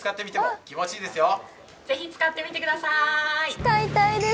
使いたいです。